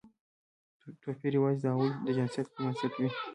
توپیر یوازې د هغوی د جنسیت پر بنسټ وي.